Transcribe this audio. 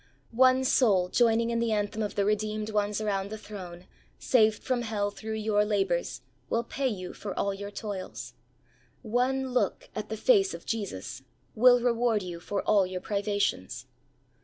One soul joining in the anthem of the redeemed ones around the Throne, saved from hell through your labours, will pay you for all your toils ; one look at the face of Jesus will rew^ard you for all your privations.